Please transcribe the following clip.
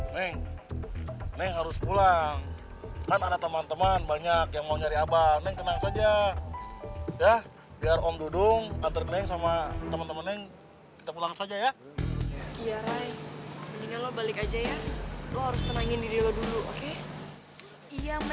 neng neng harus pulang kan ada teman teman banyak yang mau nyari abah neng tenang saja ya biar om dudung anterin neng sama teman teman neng kita pulang saja ya